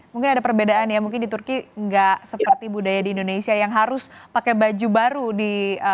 mungkin ada perbedaan ya mungkin di turki nggak seperti budaya di indonesia yang harus pakai baju baru di